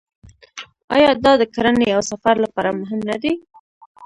آیا دا د کرنې او سفر لپاره مهم نه دی؟